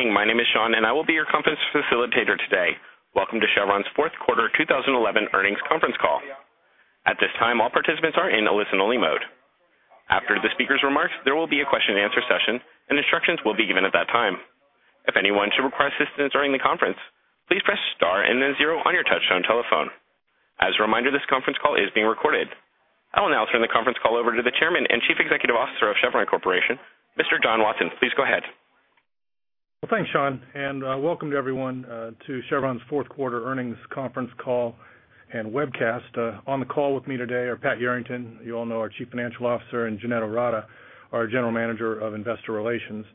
Morning. My name is Sean, and I will be your conference facilitator today. Welcome to Chevron's Fourth Quarter 2011 Earnings Conference Call. At this time, all participants are in a listen-only mode. After the speaker's remarks, there will be a question-and-answer session, and instructions will be given at that time. If anyone should require assistance during the conference, please press star and then zero on your touch-tone telephone. As a reminder, this conference call is being recorded. I will now turn the conference call over to the Chairman and Chief Executive Officer of Chevron Corporation, Mr. John Watson. Please go ahead. Thank you, Sean, and welcome to everyone to Chevron's Fourth Quarter Earnings Conference Call and Webcast. On the call with me today are Pat Yarrington, our Chief Financial Officer, and Jeanette Ourada, our General Manager of Investor Relations.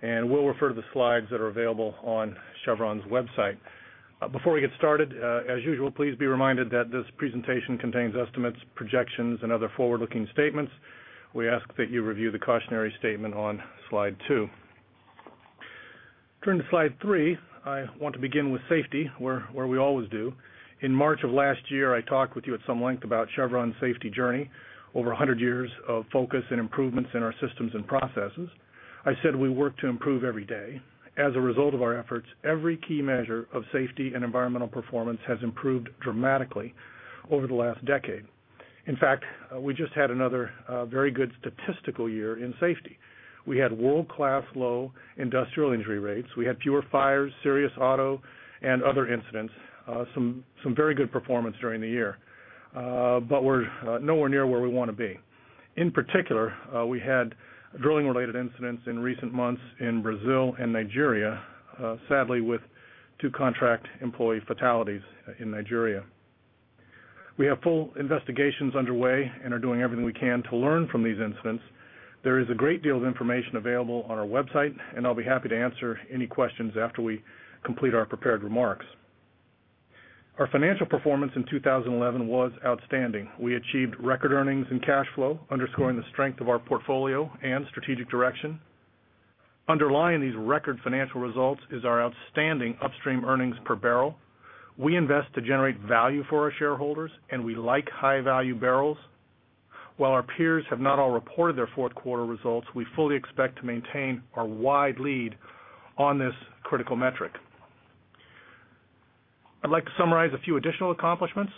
We will refer to the slides that are available on Chevron's website. Before we get started, as usual, please be reminded that this presentation contains estimates, projections, and other forward-looking statements. We ask that you review the cautionary statement on slide two. Turn to slide three. I want to begin with safety, where we always do. In March of last year, I talked with you at some length about Chevron's safety journey, over 100 years of focus and improvements in our systems and processes. I said we work to improve every day. As a result of our efforts, every key measure of safety and environmental performance has improved dramatically over the last decade. In fact, we just had another very good statistical year in safety. We had world-class low industrial injury rates. We had fewer fires, serious auto, and other incidents, some very good performance during the year. We are nowhere near where we want to be. In particular, we had drilling-related incidents in recent months in Brazil and Nigeria, sadly, with two contract employee fatalities in Nigeria. We have full investigations underway and are doing everything we can to learn from these incidents. There is a great deal of information available on our website, and I'll be happy to answer any questions after we complete our prepared remarks. Our financial performance in 2011 was outstanding. We achieved record earnings and cash flow, underscoring the strength of our portfolio and strategic direction. Underlying these record financial results is our outstanding upstream earnings per barrel. We invest to generate value for our shareholders, and we like high-value barrels. While our peers have not all reported their fourth quarter results, we fully expect to maintain our wide lead on this critical metric. I'd like to summarize a few additional accomplishments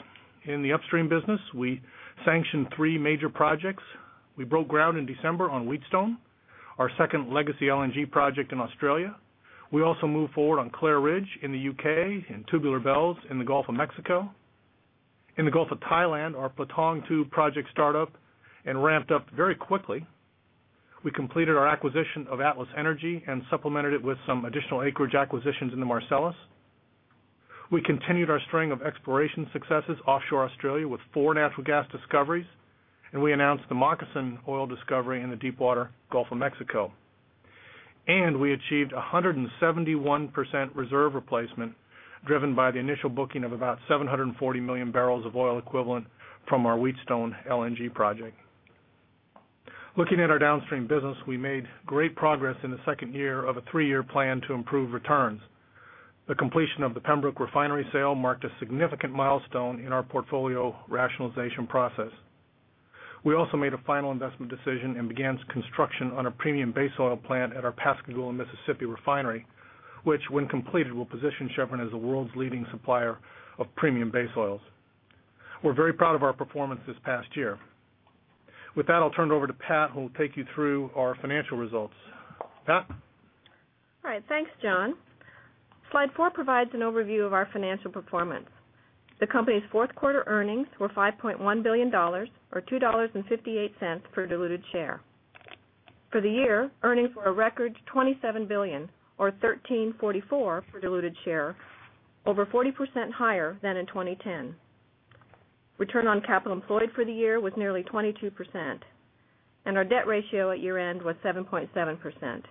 in the upstream business. We sanctioned three major projects. We broke ground in December on Wheatstone, our second legacy LNG project in Australia. We also moved forward on Clair Ridge in the U.K., and Tubular Bells in the Gulf of Mexico. In the Gulf of Thailand, our Platong II project startup and ramped up very quickly. We completed our acquisition of Atlas Energy and supplemented it with some additional acreage acquisitions in the Marcellus. We continued our string of exploration successes offshore Australia with four natural gas discoveries, and we announced the Moccasin oil discovery in the deepwater Gulf of Mexico. We achieved 171% reserve replacement, driven by the initial booking of about 740 million barrels of oil equivalent from our Wheatstone LNG project. Looking at our downstream business, we made great progress in the second year of a three-year plan to improve returns. The completion of the Pembroke refinery sale marked a significant milestone in our portfolio rationalization process. We also made a final investment decision and began construction on a premium base oil plant at our Pascagoula, Mississippi refinery, which, when completed, will position Chevron as the world's leading supplier of premium base oils. We're very proud of our performance this past year. With that, I'll turn it over to Pat, who will take you through our financial results. Pat? All right. Thanks, John. Slide four provides an overview of our financial performance. The company's fourth quarter earnings were $5.1 billion, or $2.58 per diluted share. For the year, earnings were a record $27 billion, or $13.44 per diluted share, over 40% higher than in 2010. Return on capital employed for the year was nearly 22%, and our debt ratio at year-end was 7.7%.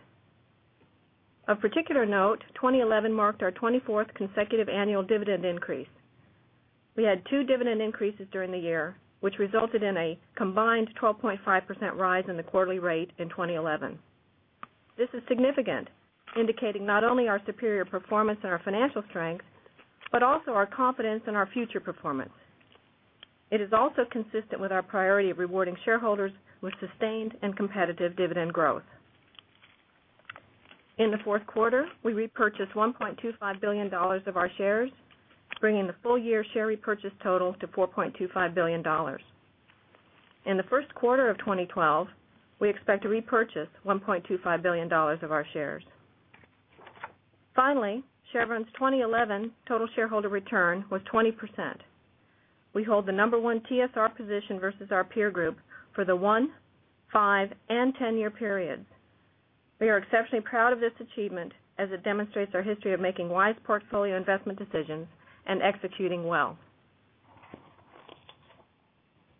Of particular note, 2011 marked our 24th consecutive annual dividend increase. We had two dividend increases during the year, which resulted in a combined 12.5% rise in the quarterly rate in 2011. This is significant, indicating not only our superior performance and our financial strength, but also our confidence in our future performance. It is also consistent with our priority of rewarding shareholders with sustained and competitive dividend growth. In the fourth quarter, we repurchased $1.25 billion of our shares, bringing the full-year share repurchase total to $4.25 billion. In the first quarter of 2012, we expect to repurchase $1.25 billion of our shares. Finally, Chevron's 2011 total shareholder return was 20%. We hold the number one TSR position versus our peer group for the one, five, and 10-year periods. We are exceptionally proud of this achievement, as it demonstrates our history of making wise portfolio investment decisions and executing well.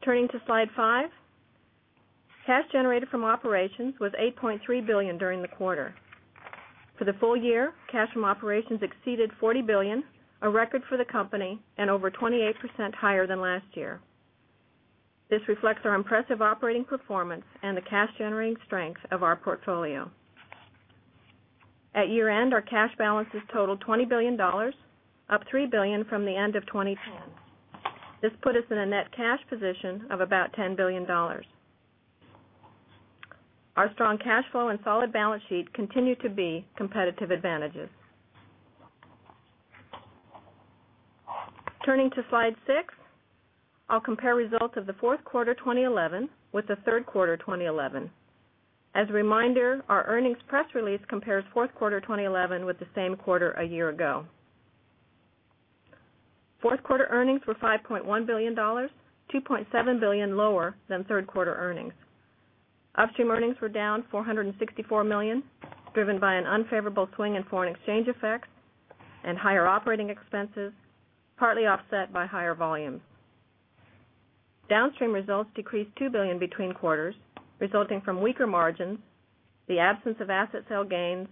Turning to slide five, cash generated from operations was $8.3 billion during the quarter. For the full year, cash from operations exceeded $40 billion, a record for the company and over 28% higher than last year. This reflects our impressive operating performance and the cash-generating strength of our portfolio. At year-end, our cash balances totaled $20 billion, up $3 billion from the end of 2010. This put us in a net cash position of about $10 billion. Our strong cash flow and solid balance sheet continue to be competitive advantages. Turning to slide six, I'll compare results of the fourth quarter 2011 with the third quarter 2011. As a reminder, our earnings press release compares fourth quarter 2011 with the same quarter a year ago. Fourth quarter earnings were $5.1 billion, $2.7 billion lower than third quarter earnings. Upstream earnings were down $464 million, driven by an unfavorable swing in foreign exchange effects and higher operating expenses, partly offset by higher volumes. Downstream results decreased $2 billion between quarters, resulting from weaker margins, the absence of asset sale gains,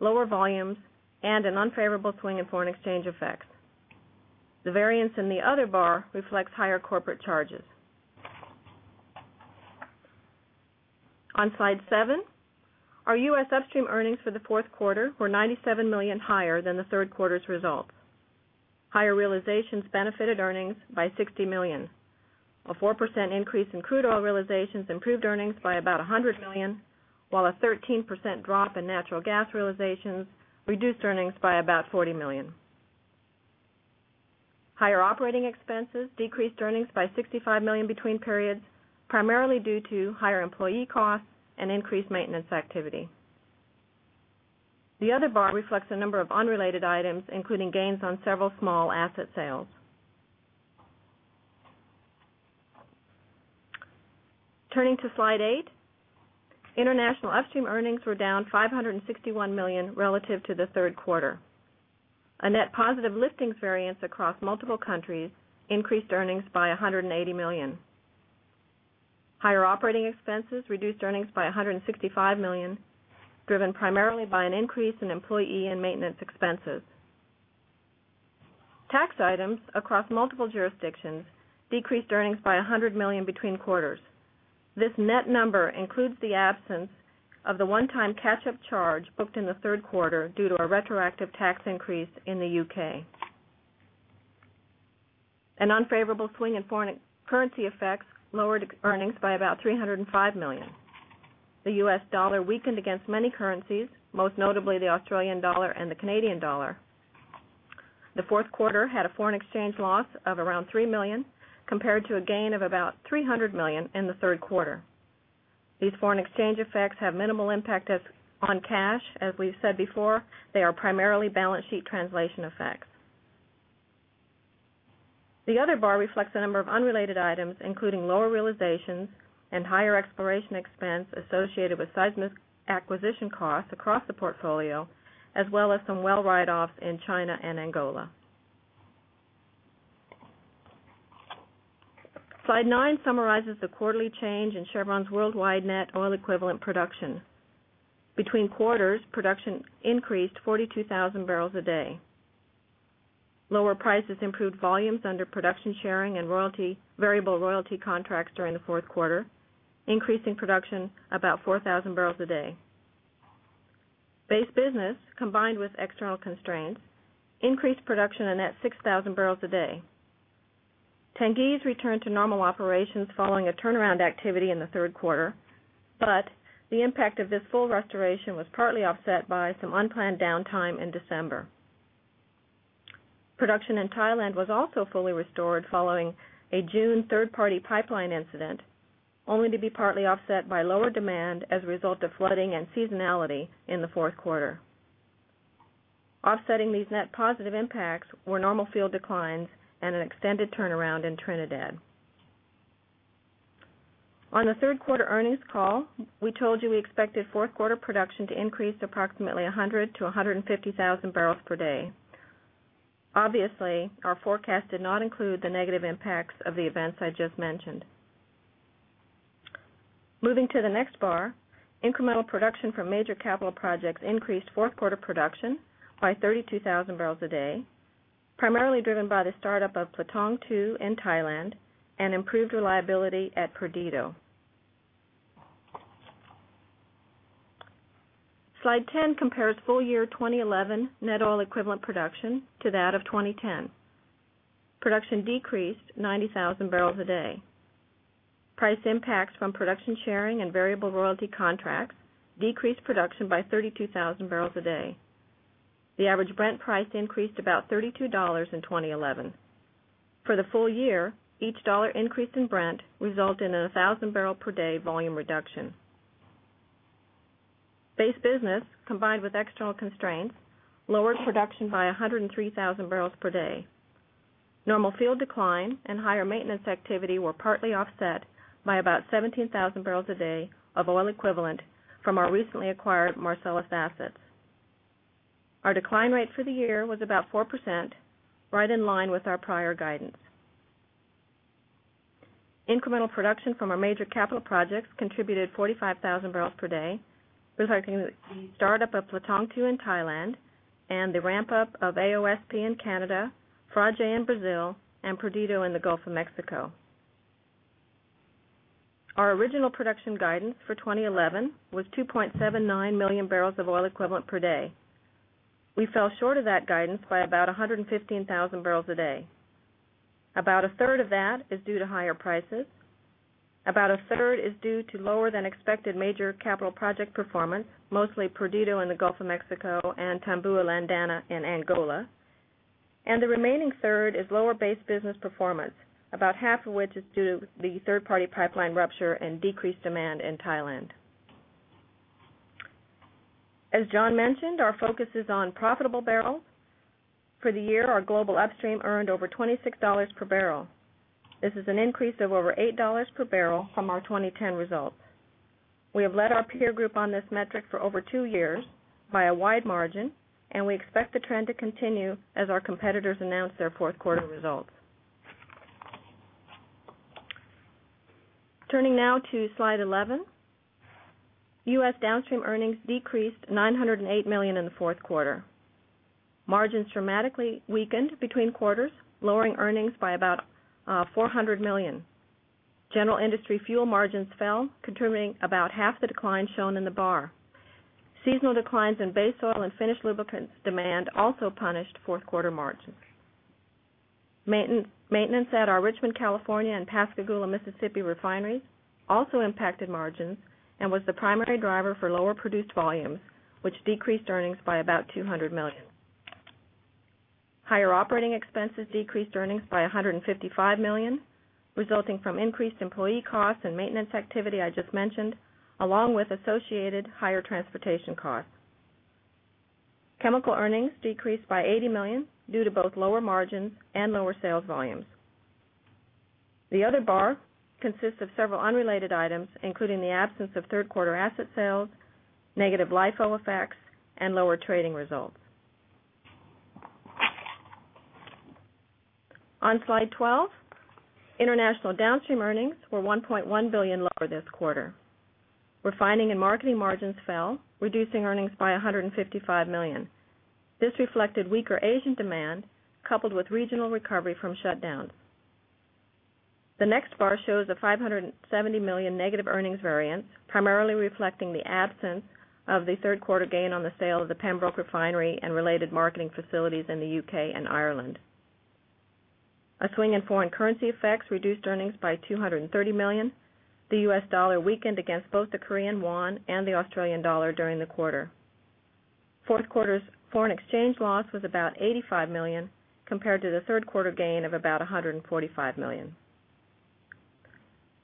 lower volumes, and an unfavorable swing in foreign exchange effects. The variance in the other bar reflects higher corporate charges. On slide seven, our U.S. upstream earnings for the fourth quarter were $97 million higher than the third quarter's results. Higher realizations benefited earnings by $60 million. A 4% increase in crude oil realizations improved earnings by about $100 million, while a 13% drop in natural gas realizations reduced earnings by about $40 million. Higher operating expenses decreased earnings by $65 million between periods, primarily due to higher employee costs and increased maintenance activity. The other bar reflects a number of unrelated items, including gains on several small asset sales. Turning to slide eight, international upstream earnings were down $561 million relative to the third quarter. A net positive listings variance across multiple countries increased earnings by $180 million. Higher operating expenses reduced earnings by $165 million, driven primarily by an increase in employee and maintenance expenses. Tax items across multiple jurisdictions decreased earnings by $100 million between quarters. This net number includes the absence of the one-time catch-up charge booked in the third quarter due to a retroactive tax increase in the U.K. An unfavorable swing in foreign currency effects lowered earnings by about $305 million. The US dollar weakened against many currencies, most notably the Australian dollar and the Canadian dollar. The fourth quarter had a foreign exchange loss of around $3 million, compared to a gain of about $300 million in the third quarter. These foreign exchange effects have minimal impact on cash. As we've said before, they are primarily balance sheet translation effects. The other bar reflects a number of unrelated items, including lower realizations and higher exploration expense associated with seismic acquisition costs across the portfolio, as well as some well write-offs in China and Angola. Slide nine summarizes the quarterly change in Chevron's worldwide net oil equivalent production. Between quarters, production increased 42,000 bbl a day. Lower prices improved volumes under production sharing and royalty variable royalty contracts during the fourth quarter, increasing production about 4,000 bbl a day. Base business, combined with external constraints, increased production a net 6,000 bbl a day. Tangies returned to normal operations following a turnaround activity in the third quarter, but the impact of this full restoration was partly offset by some unplanned downtime in December. Production in Thailand was also fully restored following a June third-party pipeline incident, only to be partly offset by lower demand as a result of flooding and seasonality in the fourth quarter. Offsetting these net positive impacts were normal field declines and an extended turnaround in Trinidad. On the third quarter earnings call, we told you we expected fourth quarter production to increase approximately 100,000 bpd-150,000 bpd. Obviously, our forecast did not include the negative impacts of the events I just mentioned. Moving to the next bar, incremental production from major capital projects increased fourth quarter production by 32,000 bbl a day, primarily driven by the startup of Patong II in Thailand and improved reliability at Perdido. Slide 10 compares full-year 2011 net oil equivalent production to that of 2010. Production decreased 90,000 bbl a day. Price impacts from production sharing and variable royalty contracts decreased production by 32,000 bbl a day. The average Brent price increased about $32 in 2011. For the full year, each dollar increase in Brent resulted in a 1,000 bpd volume reduction. Base business, combined with external constraints, lowered production by 103,000 bpd. Normal field decline and higher maintenance activity were partly offset by about 17,000 barrels a day of oil equivalent from our recently acquired Marcellus assets. Our decline rate for the year was about 4%, right in line with our prior guidance. Incremental production from our major capital projects contributed 45,000 bpd, reflecting the startup of Patong II in Thailand and the ramp-up of AOSP in Canada, Frade in Brazil, and Perdido in the Gulf of Mexico. Our original production guidance for 2011 was 2.79 million bbl of oil equivalent per day. We fell short of that guidance by about 115,000 bbl a day. About a third of that is due to higher prices. About a third is due to lower than expected major capital project performance, mostly Perdido in the Gulf of Mexico and Tombua-Landana in Angola. The remaining third is lower base business performance, about half of which is due to the third-party pipeline rupture and decreased demand in Thailand. As John mentioned, our focus is on profitable barrels. For the year, our global upstream earned over $26 per bbl. This is an increase of over $8 per bbl from our 2010 results. We have led our peer group on this metric for over two years by a wide margin, and we expect the trend to continue as our competitors announce their fourth quarter results. Turning now to slide 11, U.S. downstream earnings decreased $908 million in the fourth quarter. Margins dramatically weakened between quarters, lowering earnings by about $400 million. General industry fuel margins fell, contributing about half the decline shown in the bar. Seasonal declines in base oil and finished lubricants demand also punished fourth quarter margins. Maintenance at our Richmond, California, and Pascagoula, Mississippi refineries also impacted margins and was the primary driver for lower produced volumes, which decreased earnings by about $200 million. Higher operating expenses decreased earnings by $155 million, resulting from increased employee costs and maintenance activity I just mentioned, along with associated higher transportation costs. Chemical earnings decreased by $80 million due to both lower margins and lower sales volumes. The other bar consists of several unrelated items, including the absence of third-quarter asset sales, negative LIFO effects, and lower trading results. On slide 12, international downstream earnings were $1.1 billion lower this quarter. Refining and marketing margins fell, reducing earnings by $155 million. This reflected weaker Asian demand, coupled with regional recovery from shutdowns. The next bar shows a $570 million negative earnings variance, primarily reflecting the absence of the third-quarter gain on the sale of the Pembroke refinery and related marketing facilities in the U.K. and Ireland. A swing in foreign currency effects reduced earnings by $230 million. The US dollar weakened against both the Korean won and the Australian dollar during the quarter. Fourth quarter's foreign exchange loss was about $85 million, compared to the third-quarter gain of about $145 million.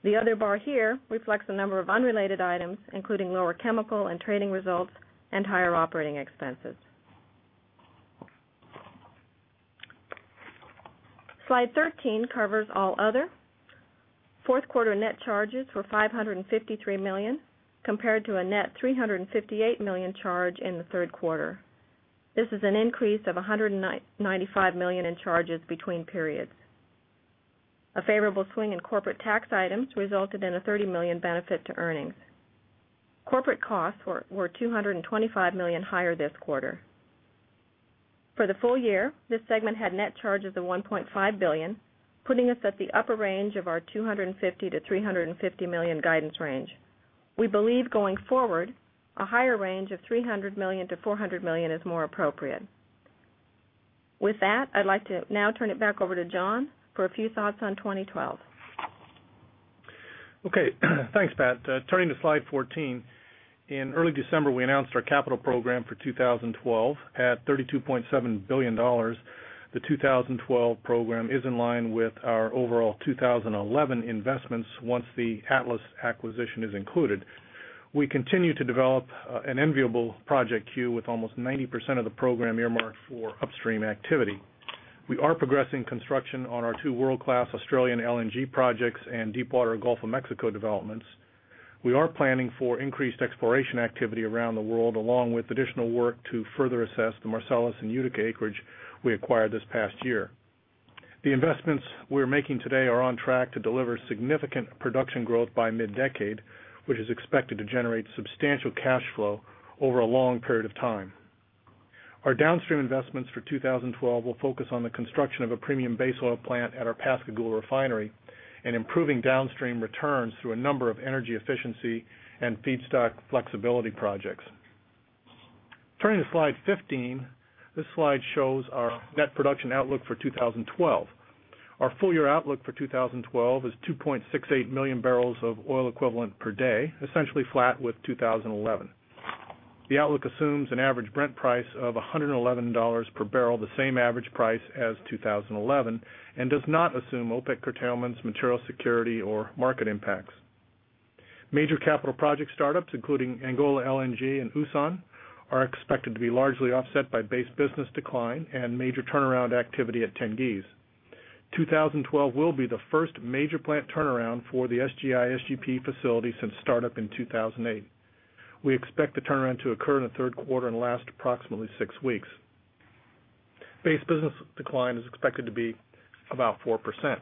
The other bar here reflects a number of unrelated items, including lower chemical and trading results and higher operating expenses. Slide 13 covers all other. Fourth quarter net charges were $553 million, compared to a net $358 million charge in the third quarter. This is an increase of $195 million in charges between periods. A favorable swing in corporate tax items resulted in a $30 million benefit to earnings. Corporate costs were $225 million higher this quarter. For the full year, this segment had net charges of $1.5 billion, putting us at the upper range of our $250 million-$350 million guidance range. We believe going forward, a higher range of $300 million- $400 million is more appropriate. With that, I'd like to now turn it back over to John for a few thoughts on 2012. Okay. Thanks, Pat. Turning to slide 14, in early December, we announced our capital program for 2012 at $32.7 billion. The 2012 program is in line with our overall 2011 investments once the Atlas acquisition is included. We continue to develop an enviable project queue with almost 90% of the program earmarked for upstream activity. We are progressing construction on our two world-class Australian LNG projects and deepwater Gulf of Mexico developments. We are planning for increased exploration activity around the world, along with additional work to further assess the Marcellus and Utica acreage we acquired this past year. The investments we're making today are on track to deliver significant production growth by mid-decade, which is expected to generate substantial cash flow over a long period of time. Our downstream investments for 2012 will focus on the construction of a premium base oil plant at our Pascagoula refinery and improving downstream returns through a number of energy efficiency and feedstock flexibility projects. Turning to slide 15, this slide shows our net production outlook for 2012. Our full-year outlook for 2012 is 2.68 million bbl of oil equivalent per day, essentially flat with 2011. The outlook assumes an average Brent price of $111 per bbl, the same average price as 2011, and does not assume OPEC curtailments, material security, or market impacts. Major capital project startups, including Angola LNG and USAN, are expected to be largely offset by base business decline and major turnaround activity at Tangies. 2012 will be the first major plant turnaround for the SGI/SGP facility since startup in 2008. We expect the turnaround to occur in the third quarter and last approximately six weeks. Base business decline is expected to be about 4%.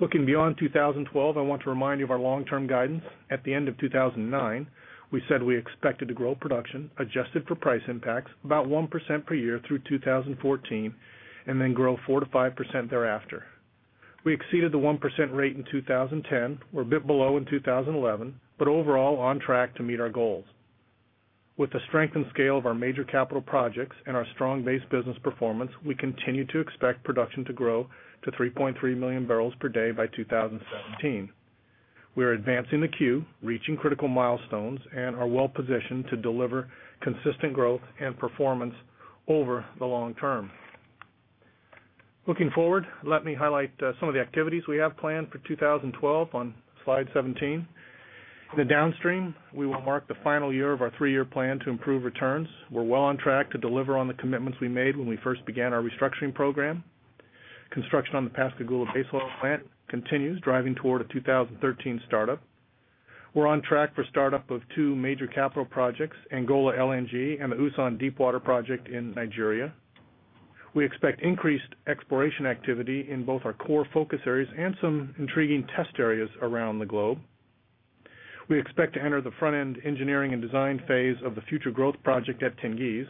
Looking beyond 2012, I want to remind you of our long-term guidance. At the end of 2009, we said we expected to grow production adjusted for price impacts about 1% per year through 2014 and then grow 4%-5% thereafter. We exceeded the 1% rate in 2010, were a bit below in 2011, but overall on track to meet our goals. With the strength and scale of our major capital projects and our strong base business performance, we continue to expect production to grow to 3.3 million bpd by 2017. We are advancing the queue, reaching critical milestones, and are well positioned to deliver consistent growth and performance over the long term. Looking forward, let me highlight some of the activities we have planned for 2012 on slide 17. In the downstream, we will mark the final year of our three-year plan to improve returns. We're well on track to deliver on the commitments we made when we first began our restructuring program. Construction on the Pascagoula base oil plant continues, driving toward a 2013 startup. We're on track for startup of two major capital projects, Angola LNG and the USAN deepwater project in Nigeria. We expect increased exploration activity in both our core focus areas and some intriguing test areas around the globe. We expect to enter the front-end engineering and design phase of the future growth project at Tengiz.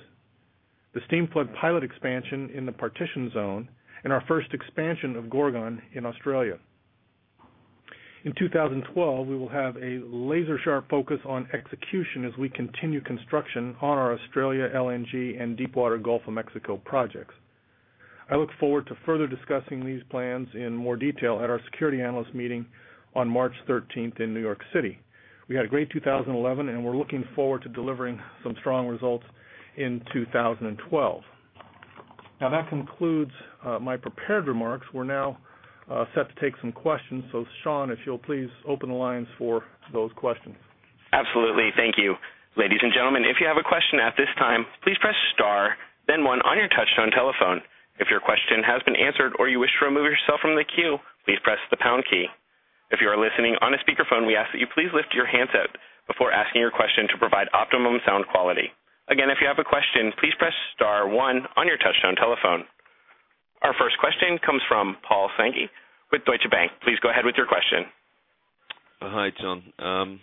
The steam flood pilot expansion in the partition zone and our first expansion of Gorgon in Australia. In 2012, we will have a laser-sharp focus on execution as we continue construction on our Australia LNG and deepwater Gulf of Mexico projects. I look forward to further discussing these plans in more detail at our security analyst meeting on March 13th in New York City. We had a great 2011, and we're looking forward to delivering some strong results in 2012. That concludes my prepared remarks. We're now set to take some questions. Sean, if you'll please open the lines for those questions. Absolutely. Thank you. Ladies and gentlemen, if you have a question at this time, please press star, then one on your touch-tone telephone. If your question has been answered or you wish to remove yourself from the queue, please press the pound key. If you are listening on a speakerphone, we ask that you please lift your handset before asking your question to provide optimum sound quality. Again, if you have a question, please press star one on your touch-tone telephone. Our first question comes from Paul Sankey with Deutsche Bank. Please go ahead with your question. Hi, John.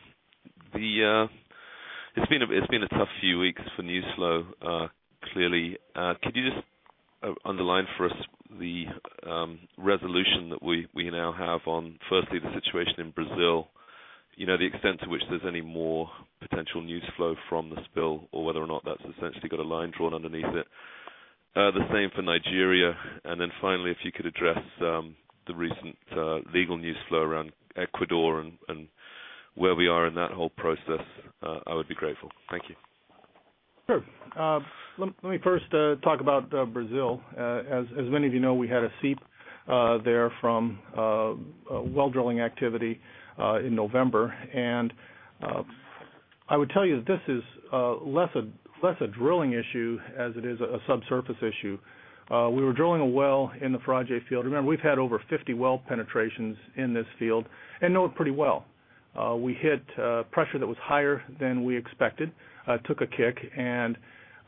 It's been a tough few weeks for news flow, clearly. Could you just underline for us the resolution that we now have on, firstly, the situation in Brazil, the extent to which there's any more potential news flow from the spill or whether or not that's essentially got a line drawn underneath it. The same for Nigeria. Finally, if you could address the recent legal news flow around Ecuador and where we are in that whole process, I would be grateful. Thank you. Sure. Let me first talk about Brazil. As many of you know, we had a seep there from well drilling activity in November. I would tell you that this is less a drilling issue as it is a subsurface issue. We were drilling a well in the Frade field. Remember, we've had over 50 well penetrations in this field and know it pretty well. We hit pressure that was higher than we expected, took a kick, and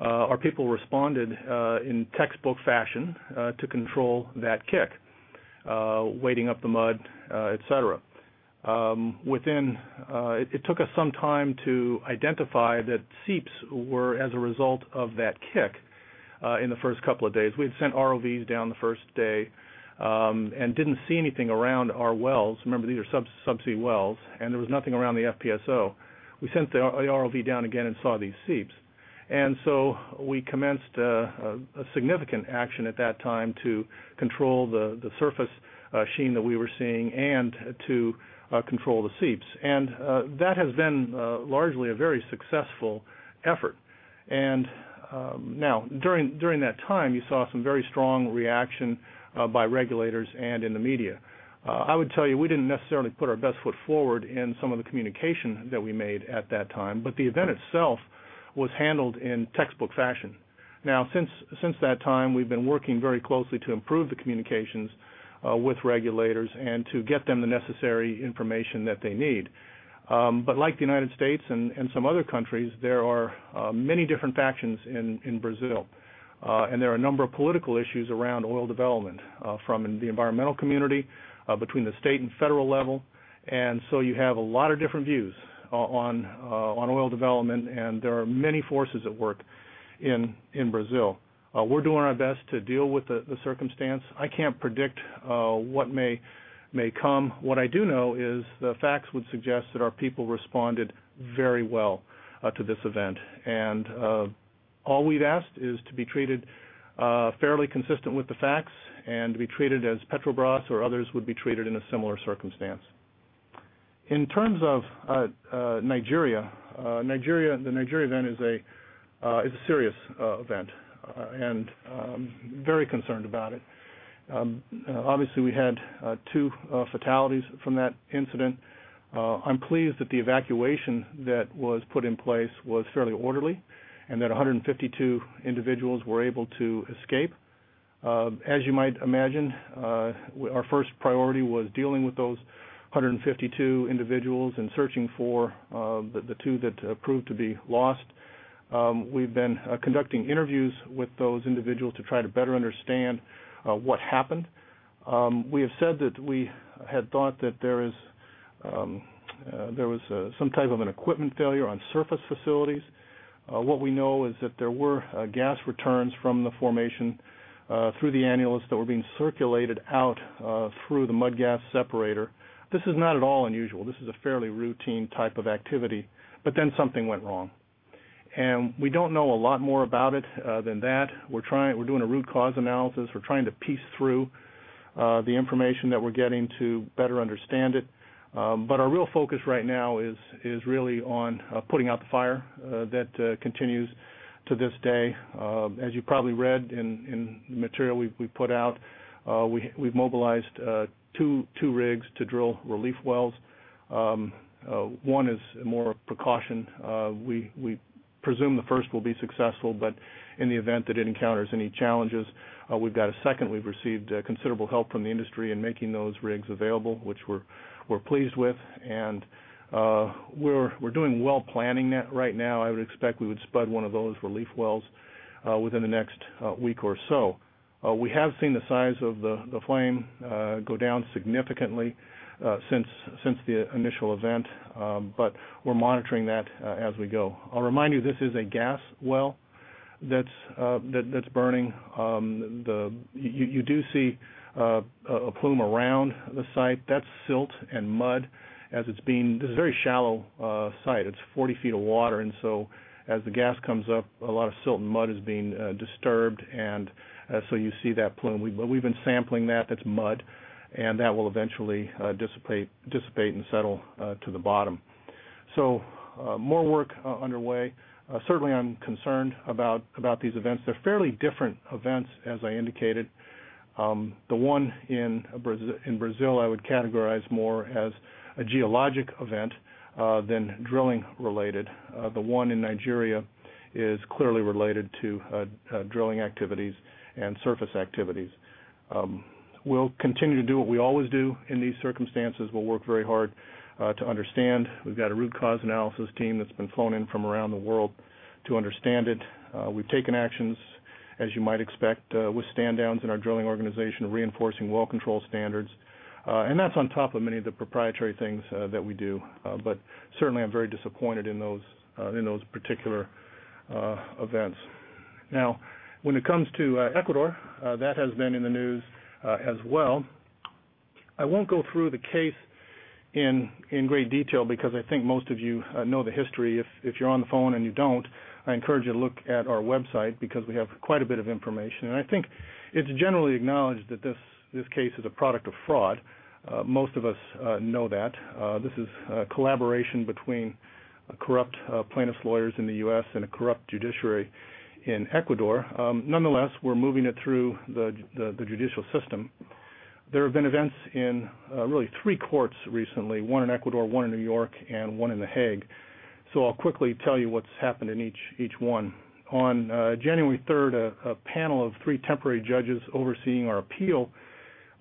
our people responded in textbook fashion to control that kick, weighting up the mud, et cetera. It took us some time to identify that seeps were as a result of that kick in the first couple of days. We had sent ROVs down the first day and didn't see anything around our wells. Remember, these are subsea wells, and there was nothing around the FPSO. We sent the ROV down again and saw these seeps. We commenced a significant action at that time to control the surface sheen that we were seeing and to control the seeps. That has been largely a very successful effort. During that time, you saw some very strong reaction by regulators and in the media. I would tell you we didn't necessarily put our best foot forward in some of the communication that we made at that time, but the event itself was handled in textbook fashion. Since that time, we've been working very closely to improve the communications with regulators and to get them the necessary information that they need. Like the U.S. and some other countries, there are many different factions in Brazil, and there are a number of political issues around oil development from the environmental community between the state and federal level. You have a lot of different views on oil development, and there are many forces at work in Brazil. We're doing our best to deal with the circumstance. I can't predict what may come. What I do know is the facts would suggest that our people responded very well to this event. All we've asked is to be treated fairly consistent with the facts and to be treated as Petrobras or others would be treated in a similar circumstance. In terms of Nigeria, the Nigeria event is a serious event and very concerned about it. Obviously, we had two fatalities from that incident. I'm pleased that the evacuation that was put in place was fairly orderly and that 152 individuals were able to escape. As you might imagine, our first priority was dealing with those 152 individuals and searching for the two that proved to be lost. We've been conducting interviews with those individuals to try to better understand what happened. We have said that we had thought that there was some type of an equipment failure on surface facilities. What we know is that there were gas returns from the formation through the annulus that were being circulated out through the mud gas separator. This is not at all unusual. This is a fairly routine type of activity, but then something went wrong. We don't know a lot more about it than that. We're doing a root cause analysis. We're trying to piece through the information that we're getting to better understand it. Our real focus right now is really on putting out the fire that continues to this day. As you probably read in the material we put out, we've mobilized two rigs to drill relief wells. One is more precaution. We presume the first will be successful, but in the event that it encounters any challenges, we've got a second. We've received considerable help from the industry in making those rigs available, which we're pleased with. We're doing well planning that right now. I would expect we would spud one of those relief wells within the next week or so. We have seen the size of the flame go down significantly since the initial event, but we're monitoring that as we go. I'll remind you, this is a gas well that's burning. You do see a plume around the site. That's silt and mud as it's being. This is a very shallow site. It's 40 ft of water, and as the gas comes up, a lot of silt and mud is being disturbed. You see that plume. We've been sampling that. That's mud, and that will eventually dissipate and settle to the bottom. More work underway. Certainly, I'm concerned about these events. They're fairly different events, as I indicated. The one in Brazil I would categorize more as a geologic event than drilling related. The one in Nigeria is clearly related to drilling activities and surface activities. We'll continue to do what we always do in these circumstances. We'll work very hard to understand. We've got a root cause analysis team that's been flown in from around the world to understand it. We've taken actions, as you might expect, with stand-downs in our drilling organization, reinforcing well control standards. That's on top of many of the proprietary things that we do. Certainly, I'm very disappointed in those particular events. Now, when it comes to Ecuador, that has been in the news as well. I won't go through the case in great detail because I think most of you know the history. If you're on the phone and you don't, I encourage you to look at our website because we have quite a bit of information. I think it's generally acknowledged that this case is a product of fraud. Most of us know that. This is a collaboration between corrupt plaintiff's lawyers in the U.S. and a corrupt judiciary in Ecuador. Nonetheless, we're moving it through the judicial system. There have been events in really three courts recently, one in Ecuador, one in New York, and one in The Hague. I'll quickly tell you what's happened in each one. On January 3, a panel of three temporary judges overseeing our appeal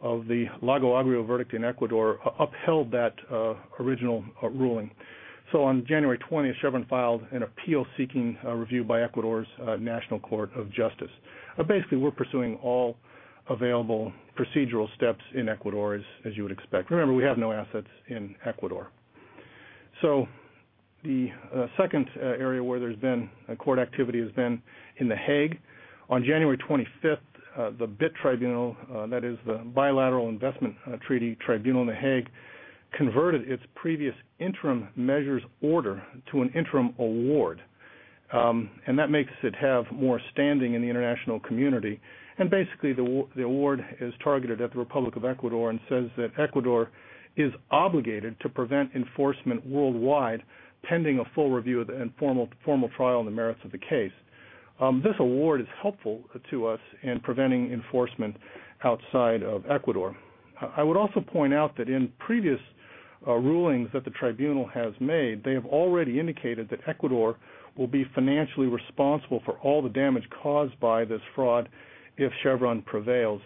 of the Lago Agrio verdict in Ecuador upheld that original ruling. On January 20, Chevron filed an appeal seeking review by Ecuador's National Court of Justice. Basically, we're pursuing all available procedural steps in Ecuador, as you would expect. Remember, we have no assets in Ecuador. The second area where there's been court activity has been in The Hague. On January 25, the BIT tribunal, that is the Bilateral Investment Treaty Tribunal in The Hague, converted its previous interim measures order to an interim award. That makes it have more standing in the international community. Basically, the award is targeted at the Republic of Ecuador and says that Ecuador is obligated to prevent enforcement worldwide pending a full review of the informal formal trial in the merits of the case. This award is helpful to us in preventing enforcement outside of Ecuador. I would also point out that in previous rulings that the tribunal has made, they have already indicated that Ecuador will be financially responsible for all the damage caused by this fraud if Chevron prevails.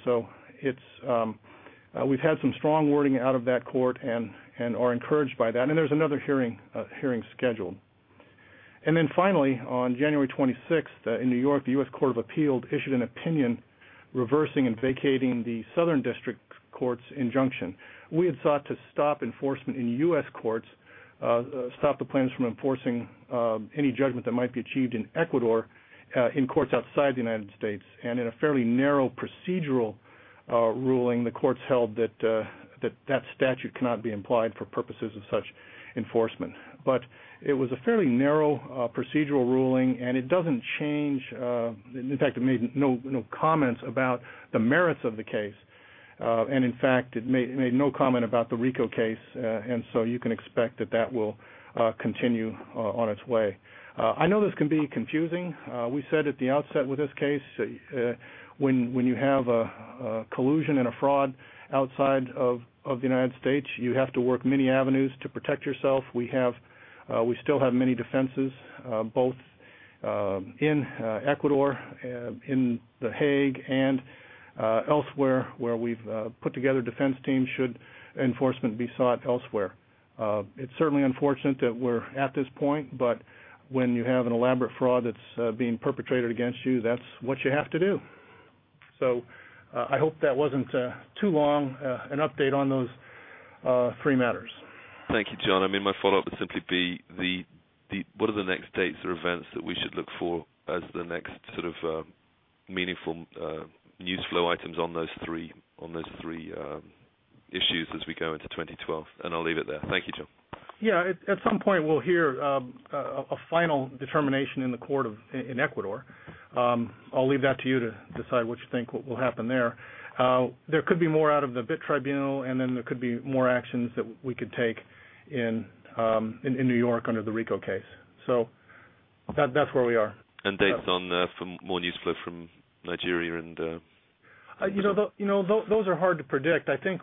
We've had some strong wording out of that court and are encouraged by that. There's another hearing scheduled. Finally, on January 26 in New York, the U.S. Court of Appeal issued an opinion reversing and vacating the Southern District Court's injunction. We had sought to stop enforcement in U.S. courts, stop the plaintiffs from enforcing any judgment that might be achieved in Ecuador in courts outside the United States. In a fairly narrow procedural ruling, the courts held that that statute cannot be implied for purposes of such enforcement. It was a fairly narrow procedural ruling, and it doesn't change. In fact, it made no comments about the merits of the case. It made no comment about the RICO case. You can expect that will continue on its way. I know this can be confusing. We said at the outset with this case, when you have a collusion and a fraud outside of the U.S., you have to work many avenues to protect yourself. We still have many defenses, both in Ecuador, in The Hague, and elsewhere where we've put together defense teams. Should enforcement be sought elsewhere? It's certainly unfortunate that we're at this point, but when you have an elaborate fraud that's being perpetrated against you, that's what you have to do. I hope that wasn't too long an update on those three matters. Thank you, John. My follow-up would simply be what are the next dates or events that we should look for as the next sort of meaningful news flow items on those three issues as we go into 2012? I'll leave it there. Thank you, John. At some point, we'll hear a final determination in the court in Ecuador. I'll leave that to you to decide what you think will happen there. There could be more out of the BIT tribunal, and there could be more actions that we could take in New York under the RICO case. That's where we are. Dates for more news flow from Nigeria. you apprised. Those are hard to predict. I think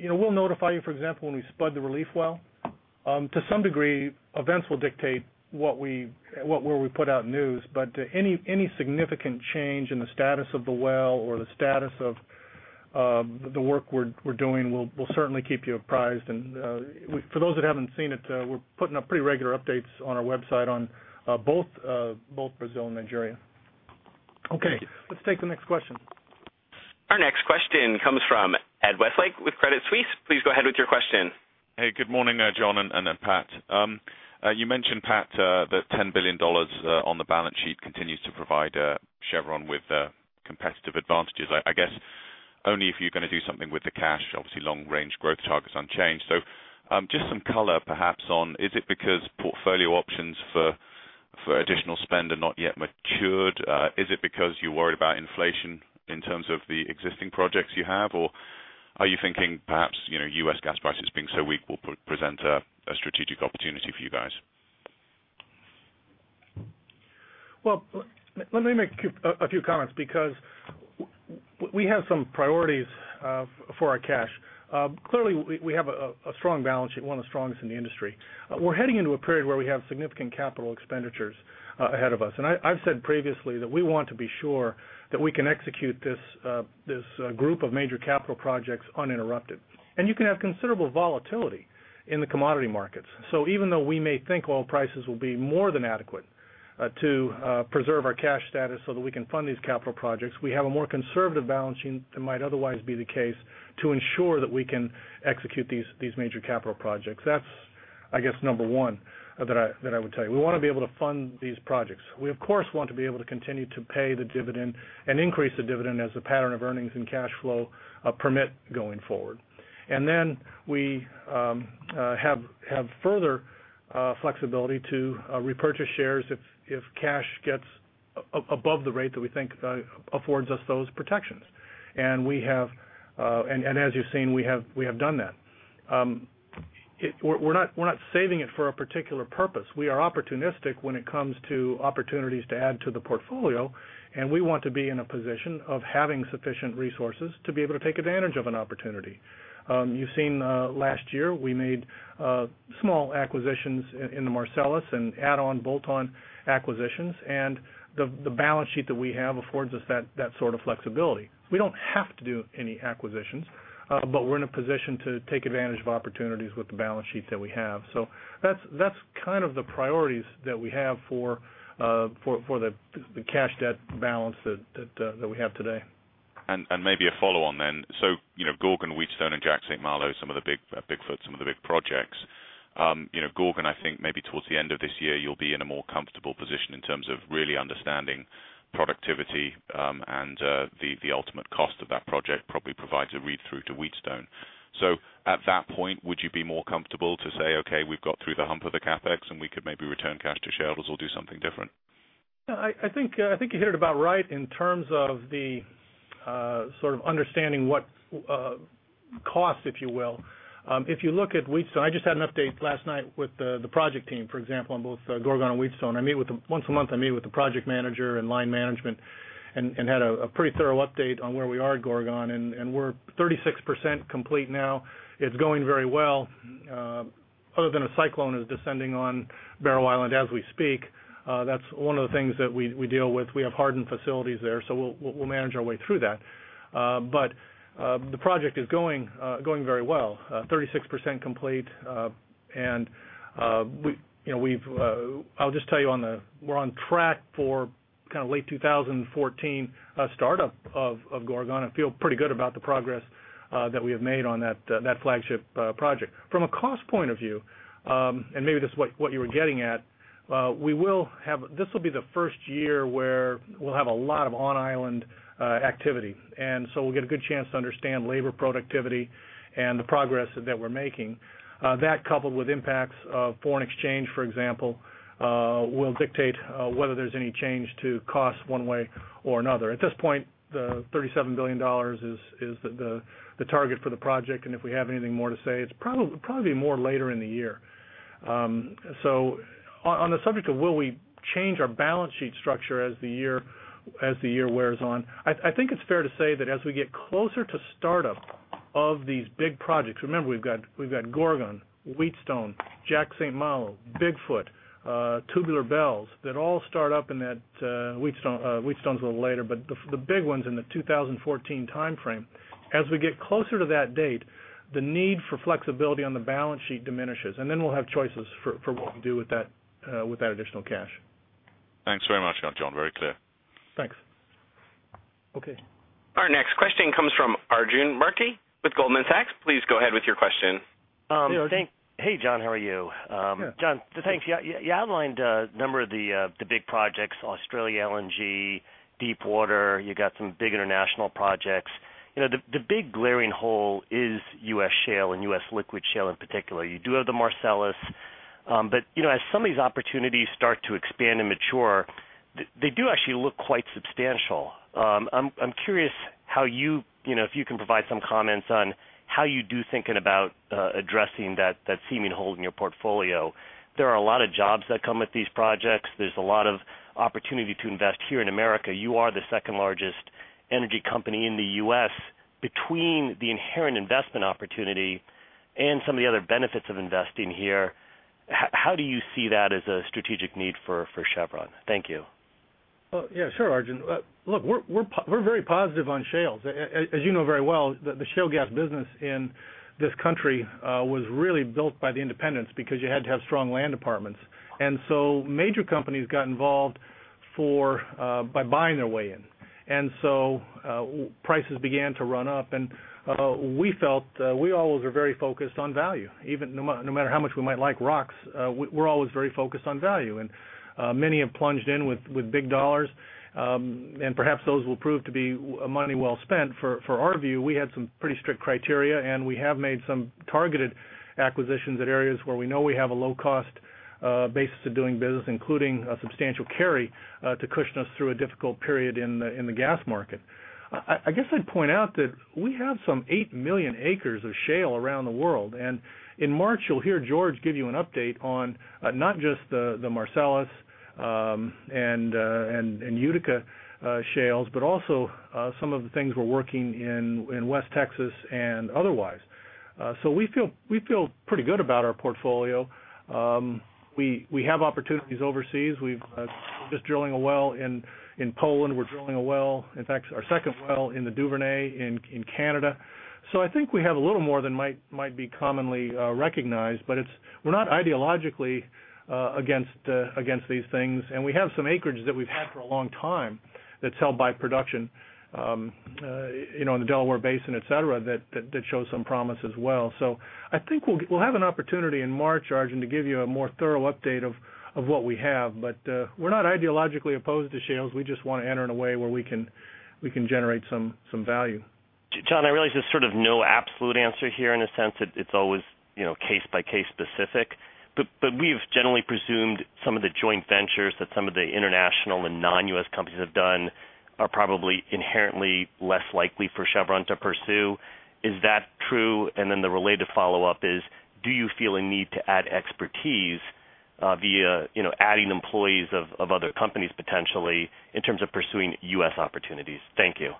we'll notify you, for example, when we spud the relief well. To some degree, events will dictate where we put out news. Any significant change in the status of the well or the status of the work we're doing will certainly keep you apprised. For those that haven't seen it, we're putting up pretty regular updates on our website on both Brazil and Nigeria. Okay. Let's take the next question. Our next question comes from Ed Westlake with Credit Suisse. Please go ahead with your question. Hey, good morning, John and Pat. You mentioned, Pat, that $10 billion on the balance sheet continues to provide Chevron with competitive advantages. I guess only if you're going to do something with the cash. Obviously, long-range growth target's unchanged. Just some color perhaps on, is it because portfolio options for additional spend are not yet matured? Is it because you're worried about inflation in terms of the existing projects you have? Are you thinking perhaps U.S. gas prices being so weak will present a strategic opportunity for you guys? Let me make a few comments because we have some priorities for our cash. Clearly, we have a strong balance sheet, one of the strongest in the industry. We're heading into a period where we have significant capital expenditures ahead of us. I've said previously that we want to be sure that we can execute this group of major capital projects uninterrupted. You can have considerable volatility in the commodity markets. Even though we may think oil prices will be more than adequate to preserve our cash status so that we can fund these capital projects, we have a more conservative balance sheet than might otherwise be the case to ensure that we can execute these major capital projects. That's, I guess, number one that I would tell you. We want to be able to fund these projects. We, of course, want to be able to continue to pay the dividend and increase the dividend as the pattern of earnings and cash flow permit going forward. We have further flexibility to repurchase shares if cash gets above the rate that we think affords us those protections. As you've seen, we have done that. We're not saving it for a particular purpose. We are opportunistic when it comes to opportunities to add to the portfolio. We want to be in a position of having sufficient resources to be able to take advantage of an opportunity. You've seen last year we made small acquisitions in the Marcellus and add-on, bolt-on acquisitions. The balance sheet that we have affords us that sort of flexibility. We don't have to do any acquisitions, but we're in a position to take advantage of opportunities with the balance sheet that we have. That's kind of the priorities that we have for the cash debt balance that we have today. Maybe a follow-on then. Gorgon, Wheatstone, and Jack/St. Malo are some of the Bigfoot, some of the big projects. Gorgon, I think maybe towards the end of this year, you'll be in a more comfortable position in terms of really understanding productivity and the ultimate cost of that project probably provides a read-through to Wheatstone. At that point, would you be more comfortable to say, "Okay, we've got through the hump of the CapEx, and we could maybe return cash to shareholders or do something different"? I think you hit it about right in terms of the sort of understanding what costs, if you will. If you look at Wheatstone, I just had an update last night with the project team, for example, on both Gorgon and Wheatstone. Once a month, I meet with the project manager and line management and had a pretty thorough update on where we are at Gorgon. We're 36% complete now. It's going very well. Other than a cyclone is descending on Barrow Island as we speak, that's one of the things that we deal with. We have hardened facilities there, so we'll manage our way through that. The project is going very well, 36% complete. I'll just tell you we're on track for kind of late 2014 startup of Gorgon and feel pretty good about the progress that we have made on that flagship project. From a cost point of view, and maybe this is what you were getting at, this will be the first year where we'll have a lot of on-island activity. We'll get a good chance to understand labor productivity and the progress that we're making. That, coupled with impacts of foreign exchange, for example, will dictate whether there's any change to costs one way or another. At this point, the $37 billion is the target for the project. If we have anything more to say, it's probably more later in the year. On the subject of will we change our balance sheet structure as the year wears on, I think it's fair to say that as we get closer to startup of these big projects, remember we've got Gorgon, Wheatstone, Jack/St. Malo, Bigfoot, Tubular Bells, that all start up in that Wheatstone's a little later, but the big ones in the 2014 timeframe. As we get closer to that date, the need for flexibility on the balance sheet diminishes. We'll have choices for what we do with that additional cash. Thanks very much, John. Very clear. Thanks. Our next question comes from Arjun Murti with Goldman Sachs. Please go ahead with your question. Hey, John. How are you? John, thanks. You outlined a number of the big projects: Australia LNG, deepwater. You've got some big international projects. The big glaring hole is U.S. shale and U.S. liquid shale in particular. You do have the Marcellus. As some of these opportunities start to expand and mature, they do actually look quite substantial. I'm curious if you can provide some comments on how you do think about addressing that seeming hole in your portfolio. There are a lot of jobs that come with these projects. There's a lot of opportunity to invest here in America. You are the second largest energy company in the U.S. Between the inherent investment opportunity and some of the other benefits of investing here, how do you see that as a strategic need for Chevron? Thank you. Yeah, sure, Arjun. Look, we're very positive on shales. As you know very well, the shale gas business in this country was really built by the independents because you had to have strong land departments. Major companies got involved by buying their way in, and prices began to run up. We felt we always were very focused on value. Even no matter how much we might like rocks, we're always very focused on value. Many have plunged in with big dollars, and perhaps those will prove to be money well spent. For our view, we had some pretty strict criteria. We have made some targeted acquisitions at areas where we know we have a low-cost basis of doing business, including a substantial carry to cushion us through a difficult period in the gas market. I'd point out that we have some 8 million acres of shale around the world. In March, you'll hear George give you an update on not just the Marcellus and Utica shales, but also some of the things we're working in West Texas and otherwise. We feel pretty good about our portfolio. We have opportunities overseas. We're just drilling a well in Poland. We're drilling a well, in fact, our second well in the Duvernay in Canada. I think we have a little more than might be commonly recognized. We're not ideologically against these things. We have some acreage that we've had for a long time that's held by production, you know, in the Delaware Basin, et cetera, that shows some promise as well. I think we'll have an opportunity in March, Arjun, to give you a more thorough update of what we have. We're not ideologically opposed to shales. We just want to enter in a way where we can generate some value. John, I realize there's sort of no absolute answer here in a sense. It's always case-by-case specific. We've generally presumed some of the joint ventures that some of the international and non-U.S. companies have done are probably inherently less likely for Chevron to pursue. Is that true? The related follow-up is, do you feel a need to add expertise via adding employees of other companies potentially in terms of pursuing U.S. opportunities? Thank you.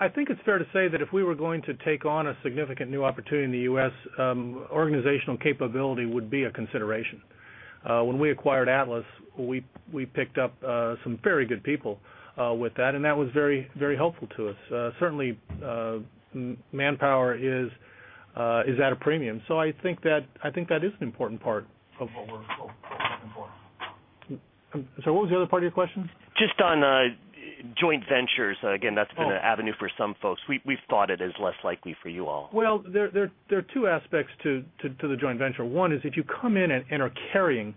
I think it's fair to say that if we were going to take on a significant new opportunity in the U.S., organizational capability would be a consideration. When we acquired Atlas, we picked up some very good people with that, and that was very helpful to us. Certainly, manpower is at a premium. I think that is an important part of what we're looking for. What was the other part of your question? Just on joint ventures. Again, that's been an avenue for some folks. We've thought it is less likely for you all. There are two aspects to the joint venture. One is if you come in and are carrying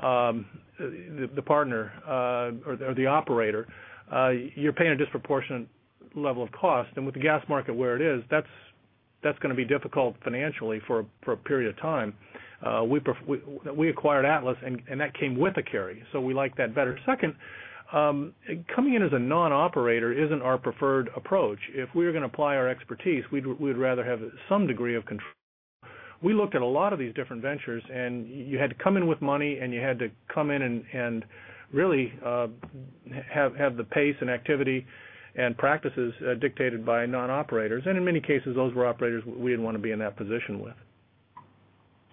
the partner or the operator, you're paying a disproportionate level of cost. With the gas market where it is, that's going to be difficult financially for a period of time. We acquired Atlas, and that came with a carry. We liked that better. Second, coming in as a non-operator isn't our preferred approach. If we were going to apply our expertise, we'd rather have some degree of control. We looked at a lot of these different ventures. You had to come in with money, and you had to come in and really have the pace and activity and practices dictated by non-operators. In many cases, those were operators we didn't want to be in that position with.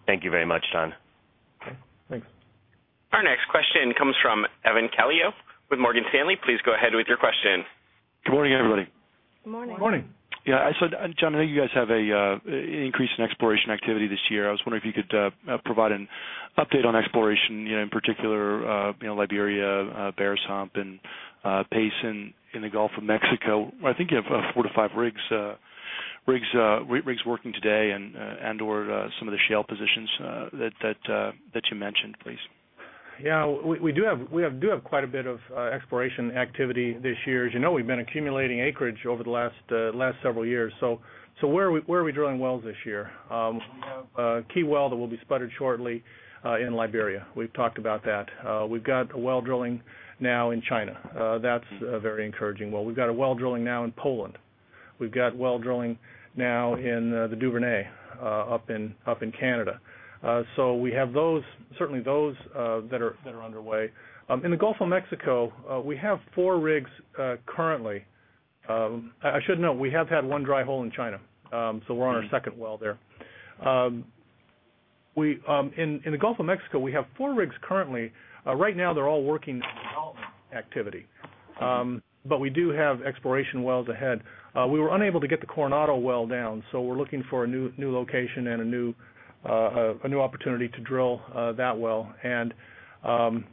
Thank you very much, John. Thanks. Our next question comes from Evan Calio with Morgan Stanley. Please go ahead with your question. Good morning, everybody. Good morning. Morning. Yeah. John, I think you guys have an increase in exploration activity this year. I was wondering if you could provide an update on exploration, in particular, Liberia, Bear's Hump, and pacing the Gulf of Mexico. I think you have four to five rigs working today and/or some of the shale positions that you mentioned, please. Yeah. We do have quite a bit of exploration activity this year. As you know, we've been accumulating acreage over the last several years. Where are we drilling wells this year? Key well that will be spudded shortly in Liberia. We've talked about that. We've got a well drilling now in China. That's a very encouraging well. We've got a well drilling now in Poland. We've got a well drilling now in the Duvernay up in Canada. We have certainly those that are underway. In the Gulf of Mexico, we have four rigs currently. I should note, we have had one dry hole in China. We're on our second well there. In the Gulf of Mexico, we have four rigs currently. Right now, they're all working development activity. We do have exploration wells ahead. We were unable to get the Coronado well down. We're looking for a new location and a new opportunity to drill that well. Those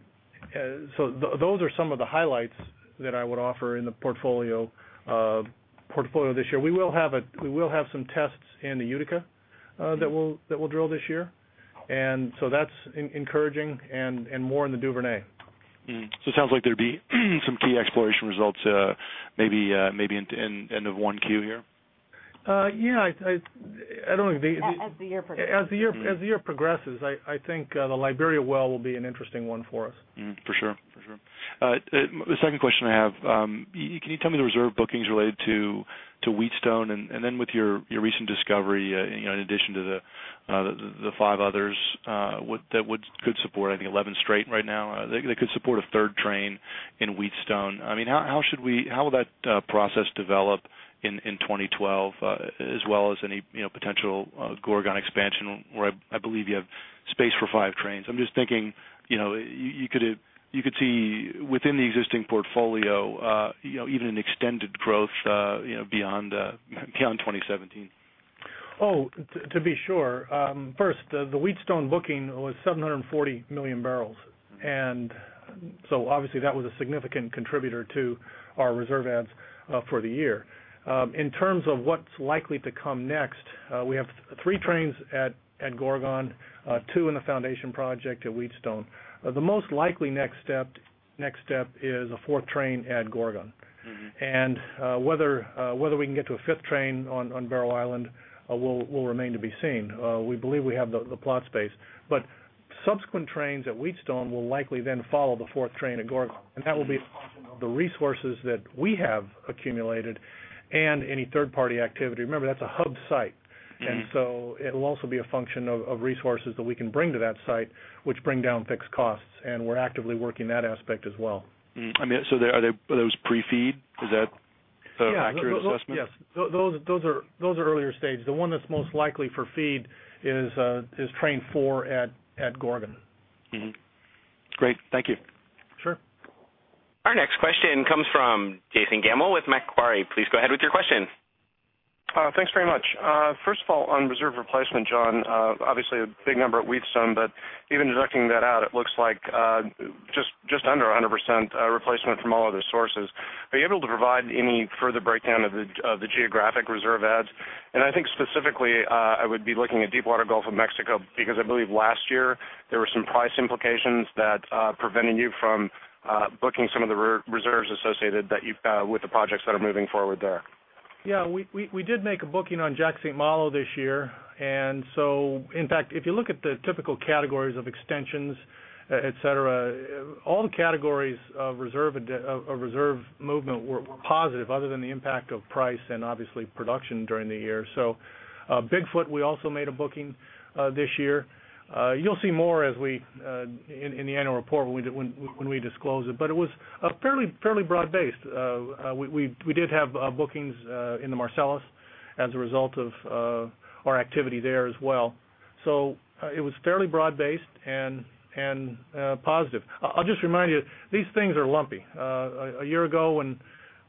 are some of the highlights that I would offer in the portfolio this year. We will have some tests in the Utica that we'll drill this year. That's encouraging and more in the Duvernay. It sounds like there'd be some key exploration discoveries maybe in the end of Q1 here? I don't think. As the year progresses. As the year progresses, I think the Liberia well will be an interesting one for us. For sure. The second question I have, can you tell me the reserve bookings related to Wheatstone? With your recent discovery, in addition to the five others that could support, I think, 11 straight right now, that could support a third train in Wheatstone. How will that process develop in 2012, as well as any potential Gorgon expansion where I believe you have space for five trains? I'm just thinking, you could see within the existing portfolio even an extended growth beyond 2017. Oh, to be sure, first, the Wheatstone booking was 740 million bbl. Obviously, that was a significant contributor to our reserve ads for the year. In terms of what's likely to come next, we have three trains at Gorgon, two in the foundation project at Wheatstone. The most likely next step is a fourth train at Gorgon. Whether we can get to a fifth train on Barrow Island will remain to be seen. We believe we have the plot space. Subsequent trains at Wheatstone will likely then follow the fourth train at Gorgon. That will be the resources that we have accumulated and any third-party activity. Remember, that's a hub site. It'll also be a function of resources that we can bring to that site, which bring down fixed costs. We're actively working that aspect as well. Are those pre-feed? Is that an accurate assessment? Yes. Those are earlier stages. The one that's most likely for feed is train four at Gorgon. Great. Thank you. Sure. Our next question comes from Jason Gammel with Macquarie. Please go ahead with your question. Thanks very much. First of all, on reserve replacement, John, obviously a big number at Wheatstone. Even deducting that out, it looks like just under 100% replacement from all other sources. Are you able to provide any further breakdown of the geographic reserve adds? I think specifically, I would be looking at Deepwater Gulf of Mexico because I believe last year there were some price implications that prevented you from booking some of the reserves associated with the projects that are moving forward there. Yeah. We did make a booking on Jack/St. Malo this year. In fact, if you look at the typical categories of extensions, et cetera, all the categories of reserve movement were positive other than the impact of price and obviously production during the year. Bigfoot, we also made a booking this year. You'll see more in the annual report when we disclose it. It was fairly broad-based. We did have bookings in the Marcellus as a result of our activity there as well. It was fairly broad-based and positive. I'll just remind you, these things are lumpy. A year ago,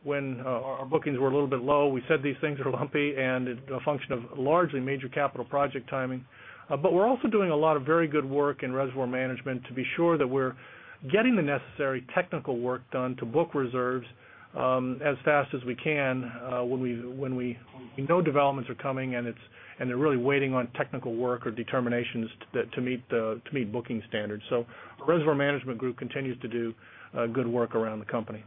when our bookings were a little bit low, we said these things are lumpy and a function of largely major capital project timing. We're also doing a lot of very good work in reservoir management to be sure that we're getting the necessary technical work done to book reserves as fast as we can when we know developments are coming and they're really waiting on technical work or determinations to meet booking standards. The reservoir management group continues to do good work around the company.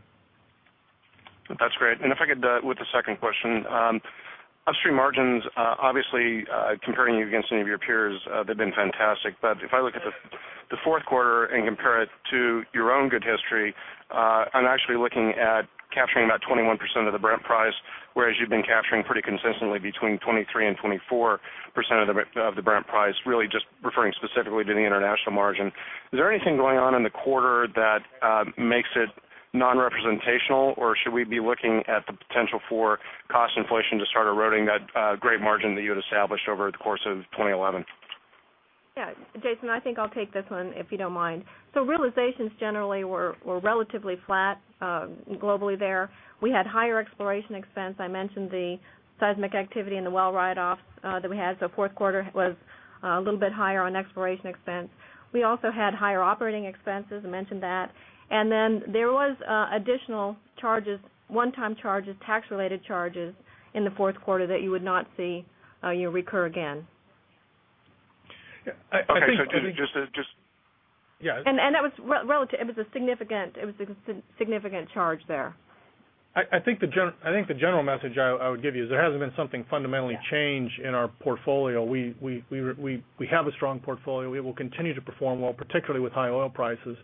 That's great. If I could with the second question, upstream margins, obviously comparing you against any of your peers, they've been fantastic. If I look at the fourth quarter and compare it to your own good history, I'm actually looking at capturing about 21% of the Brent price, whereas you've been capturing pretty consistently between 23% and 24% of the Brent price, really just referring specifically to the international margin. Is there anything going on in the quarter that makes it non-representational, or should we be looking at the potential for cost inflation to start eroding that great margin that you had established over the course of 2011? Yeah. Jason, I think I'll take this one if you don't mind. Realizations generally were relatively flat globally there. We had higher exploration expense. I mentioned the seismic activity and the well write-offs that we had. Fourth quarter was a little bit higher on exploration expense. We also had higher operating expenses. I mentioned that. There were additional one-time charges, tax-related charges in the fourth quarter that you would not see recur again. I think. It was a significant charge there. I think the general message I would give you is there hasn't been something fundamentally changed in our portfolio. We have a strong portfolio. We will continue to perform well, particularly with high oil prices.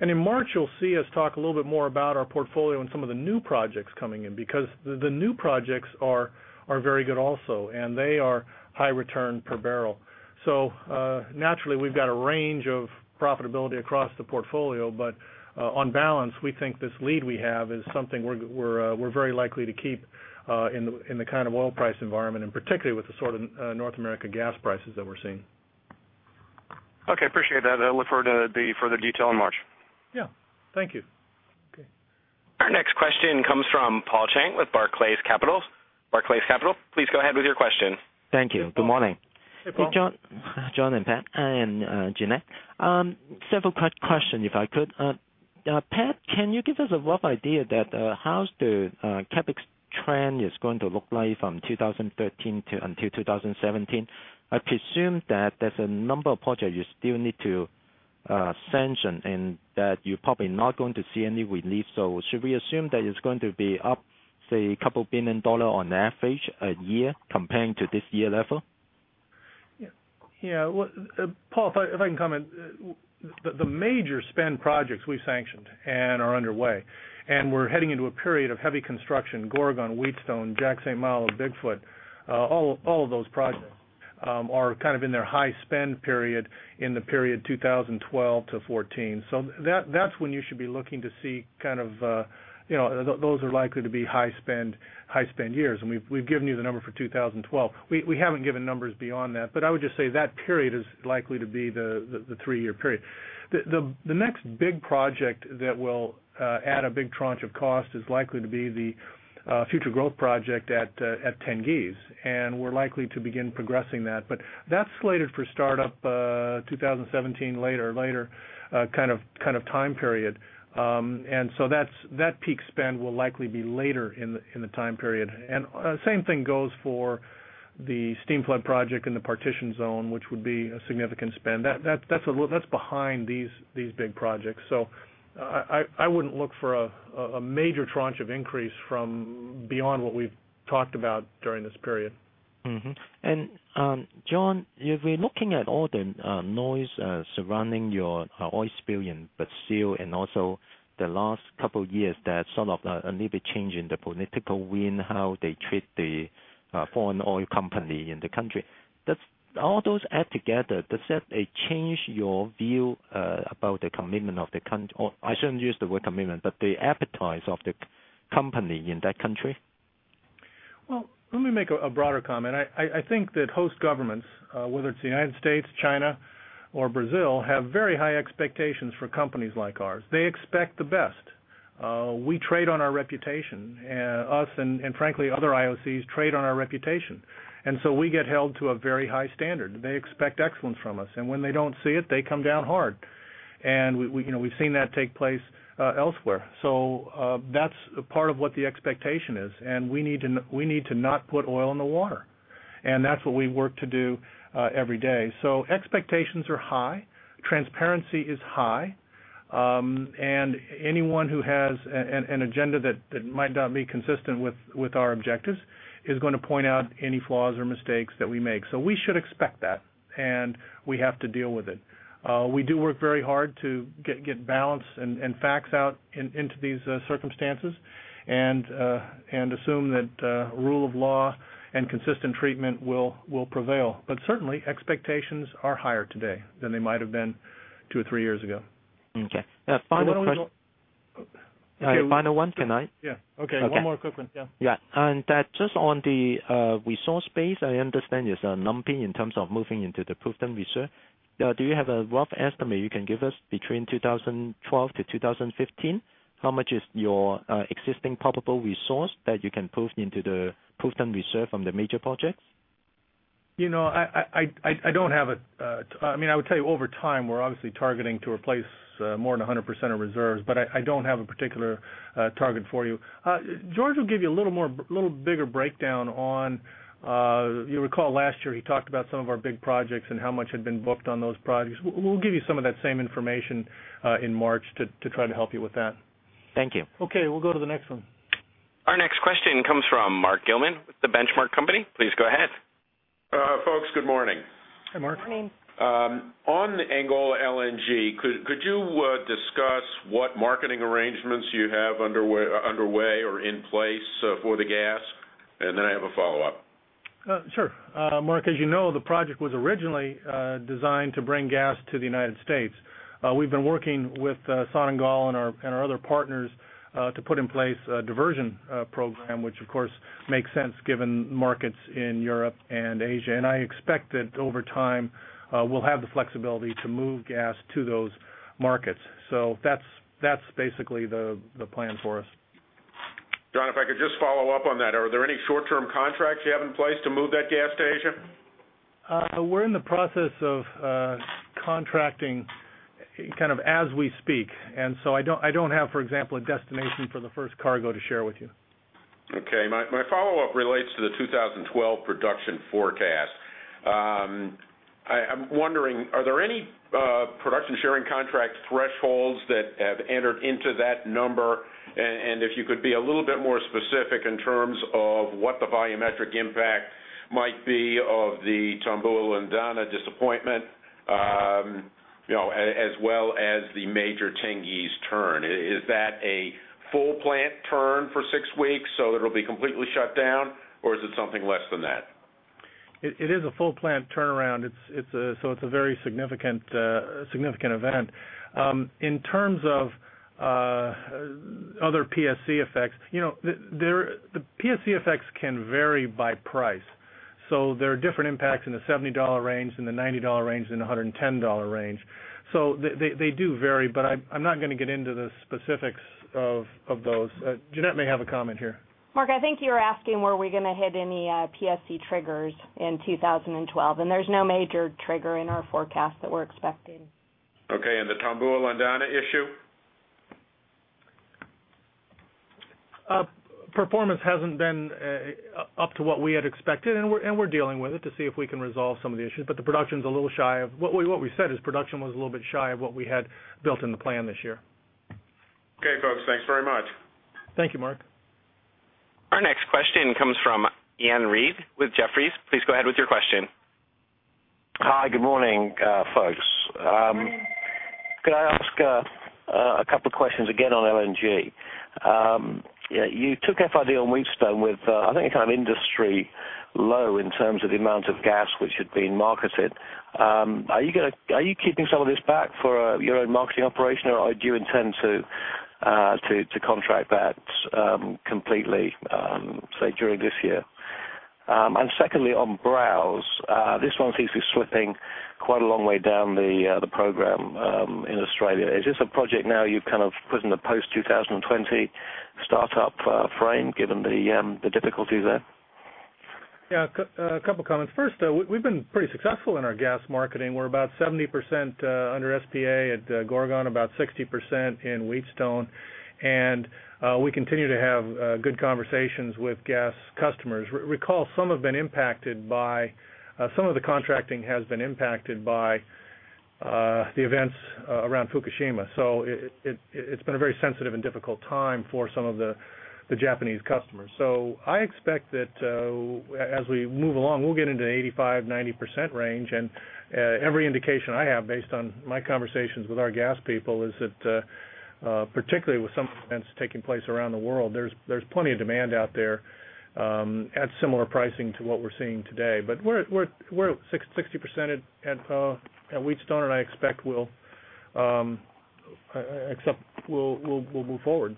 In March, you'll see us talk a little bit more about our portfolio and some of the new projects coming in because the new projects are very good also. They are high return per barrel. Naturally, we've got a range of profitability across the portfolio. On balance, we think this lead we have is something we're very likely to keep in the kind of oil price environment, particularly with the sort of North America gas prices that we're seeing. Okay, appreciate that. I'll look forward to the further detail in March. Yeah, thank you. Our next question comes from Paul Cheng with Barclays Capital. Please go ahead with your question. Thank you. Good morning. Hey, Paul. John and Pat and Jeanette, several questions, if I could. Pat, can you give us a rough idea of how the CapEx trend is going to look like from 2013 until 2017? I presume that there's a number of projects you still need to sanction and that you're probably not going to see any relief. Should we assume that it's going to be up, say, a couple billion dollars on average a year comparing to this year level? Yeah. Paul, if I can comment, the major spend projects we've sanctioned and are underway. We're heading into a period of heavy construction: Gorgon, Wheatstone, Jack/St. Malo, Bigfoot. All of those projects are kind of in their high spend period in the period 2012-2014. That's when you should be looking to see kind of those are likely to be high spend years. We've given you the number for 2012. We haven't given numbers beyond that. I would just say that period is likely to be the three-year period. The next big project that will add a big tranche of cost is likely to be the future growth project at Tengiz. We're likely to begin progressing that. That's slated for startup 2017, later, later kind of time period. That peak spend will likely be later in the time period. The same thing goes for the steam flood project in the partition zone, which would be a significant spend. That's behind these big projects. I wouldn't look for a major tranche of increase from beyond what we've talked about during this period. John, we're looking at all the noise surrounding your oil spill in Brazil and also the last couple of years that sort of a little bit changed in the political wind how they treat the foreign oil company in the country. All those add together, does that change your view about the commitment of the country? I shouldn't use the word commitment, but the appetite of the company in that country? I think that host governments, whether it's the United States, China, or Brazil, have very high expectations for companies like ours. They expect the best. We trade on our reputation. Us and, frankly, other IOCs trade on our reputation. We get held to a very high standard. They expect excellence from us. When they don't see it, they come down hard. We've seen that take place elsewhere. That's part of what the expectation is. We need to not put oil in the water. That's what we work to do every day. Expectations are high. Transparency is high. Anyone who has an agenda that might not be consistent with our objectives is going to point out any flaws or mistakes that we make. We should expect that. We have to deal with it. We do work very hard to get balance and facts out into these circumstances and assume that rule of law and consistent treatment will prevail. Certainly, expectations are higher today than they might have been two or three years ago. Okay. Final question. One more question. Yeah, final one, can I? Yeah, okay. One more quick one. Yeah. Yeah. Just on the resource space, I understand there's a lumping in terms of moving into the proved and reserved. Do you have a rough estimate you can give us between 2012-2015? How much is your existing probable resource that you can proof into the proved and reserved from the major projects? I would tell you over time, we're obviously targeting to replace more than 100% of reserves. I don't have a particular target for you. George will give you a little bigger breakdown. You recall last year, he talked about some of our big projects and how much had been booked on those projects. We'll give you some of that same information in March to try to help you with that. Thank you. Okay, we'll go to the next one. Our next question comes from Mark Gilman with The Benchmark Company. Please go ahead. Folks, good morning. Hey, Mark. Morning. On Angola LNG, could you discuss what marketing arrangements you have underway or in place for the gas? I have a follow-up. Sure. Mark, as you know, the project was originally designed to bring gas to the United States. We've been working with Sonangol and our other partners to put in place a diversion program, which, of course, makes sense given markets in Europe and Asia. I expect that over time, we'll have the flexibility to move gas to those markets. That's basically the plan for us. John, if I could just follow up on that, are there any short-term contracts you have in place to move that gas to Asia? We're in the process of contracting as we speak, so I don't have, for example, a destination for the first cargo to share with you. Okay. My follow-up relates to the 2012 production forecast. I'm wondering, are there any production sharing contract thresholds that have entered into that number? If you could be a little bit more specific in terms of what the volumetric impact might be of the Tombua-Landana disappointment, as well as the major Tengiz turn. Is that a full plant turn for six weeks so that it'll be completely shut down, or is it something less than that? It is a full plant turnaround. It is a very significant event. In terms of other PSE effects, you know the PSE effects can vary by price. There are different impacts in the $70 range, in the $90 range, and the $110 range. They do vary. I'm not going to get into the specifics of those. Jeanette may have a comment here. Mark, I think you're asking where we're going to hit any PSE triggers in 2012. There's no major trigger in our forecast that we're expecting. Okay. The Tombua-Landana issue? Performance hasn't been up to what we had expected. We're dealing with it to see if we can resolve some of the issues. The production is a little shy. What we said is production was a little bit shy of what we had built in the plan this year. Okay, folks. Thanks very much. Thank you, Mark. Our next question comes from Iain Reid with Jefferies. Please go ahead with your question. Hi. Good morning, folks. Could I ask a couple of questions again on LNG? You took FID on Wheatstone with, I think, a kind of industry low in terms of the amount of gas which had been marketed. Are you keeping some of this back for your own marketing operation, or do you intend to contract that completely, say, during this year? Secondly, on Browse, this one seems to be slipping quite a long way down the program in Australia. Is this a project now you've kind of put in the post-2020 startup frame, given the difficulties there? Yeah. A couple of comments. First, we've been pretty successful in our gas marketing. We're about 70% under SPA at Gorgon, about 60% in Wheatstone. We continue to have good conversations with gas customers. Recall, some of the contracting has been impacted by the events around Fukushima. It's been a very sensitive and difficult time for some of the Japanese customers. I expect that as we move along, we'll get into the 85%-90% range. Every indication I have based on my conversations with our gas people is that, particularly with some events taking place around the world, there's plenty of demand out there at similar pricing to what we're seeing today. We're 60% at Wheatstone, and I expect we'll move forward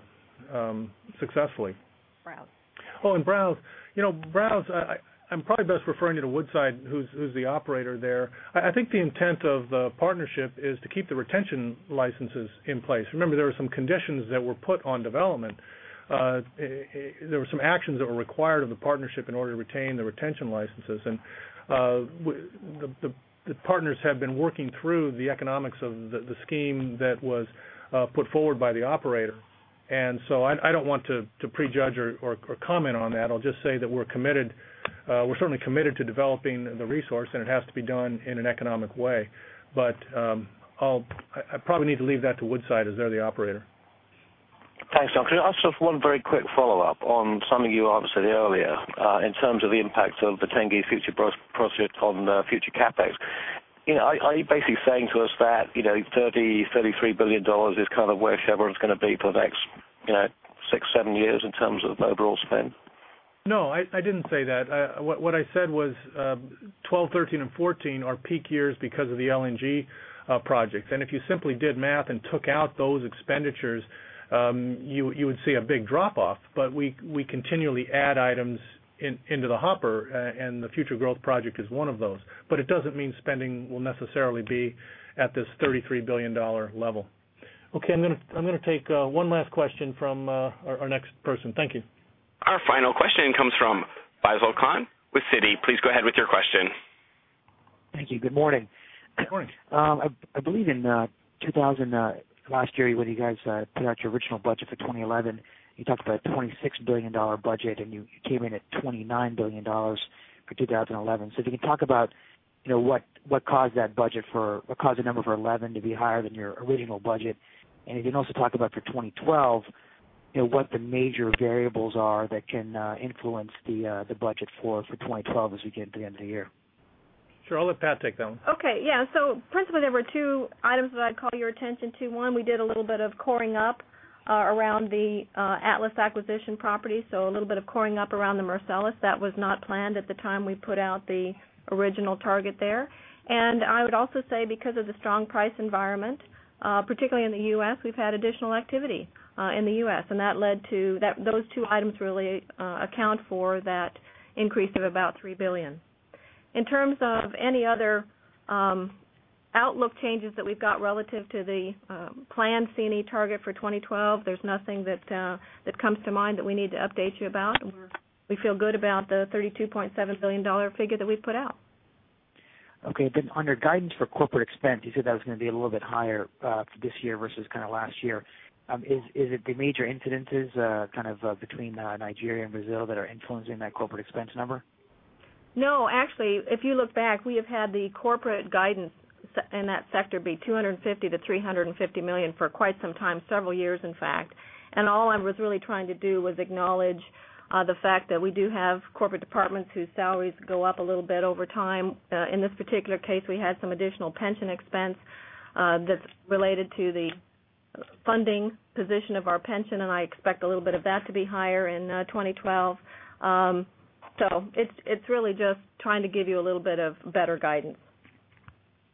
successfully. Browse. Oh, and Browse. You know, Browse, I'm probably best referring to Woodside, who's the operator there. I think the intent of the partnership is to keep the retention licenses in place. Remember, there were some conditions that were put on development. There were some actions that were required of the partnership in order to retain the retention licenses. The partners had been working through the economics of the scheme that was put forward by the operator. I don't want to prejudge or comment on that. I'll just say that we're committed. We're certainly committed to developing the resource, and it has to be done in an economic way. I probably need to leave that to Woodside as they're the operator. Thanks, John. Can I ask just one very quick follow-up on something you answered earlier in terms of the impact of the Tengiz future growth project on future CapEx? Are you basically saying to us that $30 billion, $33 billion is kind of where Chevron is going to be for the next six, seven years in terms of overall spend? No, I didn't say that. What I said was 2012, 2013, and 2014 are peak years because of the LNG projects. If you simply did math and took out those expenditures, you would see a big drop-off. We continually add items into the hopper, and the future growth project is one of those. It doesn't mean spending will necessarily be at this $33 billion level. Okay. I'm going to take one last question from our next person. Thank you. Our final question comes from Faisel Khan with Citi. Please go ahead with your question. Thank you. Good morning. Good morning. I believe in last year, when you guys put out your original budget for 2011, you talked about a $26 billion budget, and you came in at $29 billion for 2011. If you can talk about what caused that budget, what caused the number for 2011 to be higher than your original budget, and you can also talk about for 2012, you know what the major variables are that can influence the budget for 2012 as we get into the end of the year. Sure. I'll let Pat take that one. Okay. Yeah. Principally, there were two items that I'd call your attention to. One, we did a little bit of coring up around the Atlas acquisition property, so a little bit of coring up around the Marcellus. That was not planned at the time we put out the original target there. I would also say because of the strong price environment, particularly in the U.S., we've had additional activity in the U.S. That led to those two items really accounting for that increase of about $3 billion. In terms of any other outlook changes that we've got relative to the planned C&E target for 2012, there's nothing that comes to mind that we need to update you about. We feel good about the $32.7 billion figure that we've put out. Okay. Under guidance for corporate expense, you said that was going to be a little bit higher for this year versus last year. Is it the major incidences between Nigeria and Brazil that are influencing that corporate expense number? No. Actually, if you look back, we have had the corporate guidance in that sector be $250 million-$350 million for quite some time, several years, in fact. All I was really trying to do was acknowledge the fact that we do have corporate departments whose salaries go up a little bit over time. In this particular case, we had some additional pension expense that's related to the funding position of our pension. I expect a little bit of that to be higher in 2012. It's really just trying to give you a little bit of better guidance.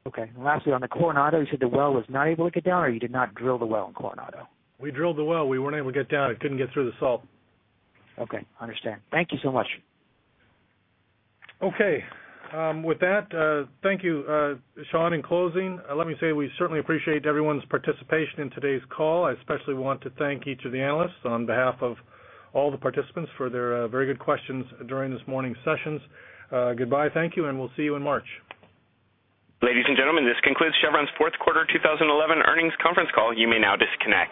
Okay. Lastly, on the Coronado, you said the well was not able to get down, or you did not drill the well in Coronado? We drilled the well. We weren't able to get down; it couldn't get through the salt. Okay, I understand. Thank you so much. Okay. With that, thank you, Sean. In closing, let me say we certainly appreciate everyone's participation in today's call. I especially want to thank each of the analysts on behalf of all the participants for their very good questions during this morning's sessions. Goodbye. Thank you. We'll see you in March. Ladies and gentlemen, this concludes Chevron's Fourth Quarter 2011 Earnings Conference Call. You may now disconnect.